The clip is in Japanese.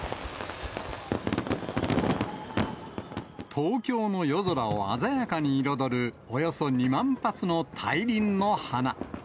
東京の夜空を鮮やかに彩るおよそ２万発の大輪の華。